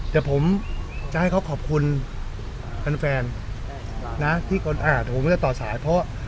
เดี๋ยวผมจะให้เขาขอบคุณเป็นแฟนนะที่ก่อนอาทิตย์ผมจะต่อสายเพราะ